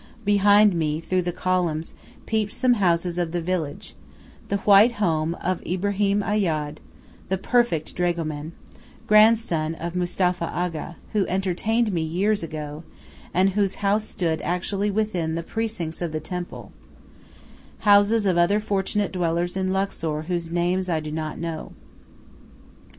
Behind me, through the columns, peeped some houses of the village: the white home of Ibrahim Ayyad, the perfect dragoman, grandson of Mustapha Aga, who entertained me years ago, and whose house stood actually within the precincts of the temple; houses of other fortunate dwellers in Luxor whose names I do not know.